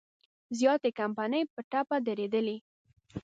زیاتې کمپنۍ په ټپه درېدلي.